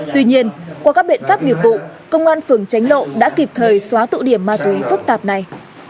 tuy nhiên qua các biện pháp nghiệp vụ công an phường tránh lộ đã kịp thời xóa tụ điểm ma túy phức tạp này